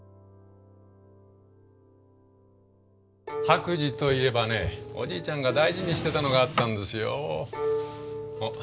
白磁といえばねおじいちゃんが大事にしてたのがあったんですよ。